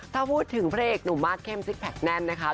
ถ้าพูดถึงพระเอกหนุ่มมาสเข้มซิกแพคแน่นนะคะ